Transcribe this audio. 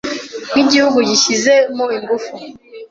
nk’igihugu gishyize mo ingufu